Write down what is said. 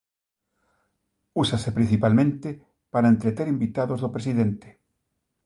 Úsase principalmente para entreter invitados do presidente.